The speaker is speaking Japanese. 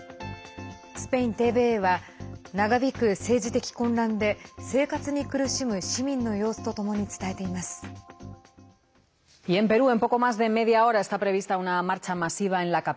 スペインＴＶＥは長引く政治的混乱で生活に苦しむ市民の様子とともに伝えています。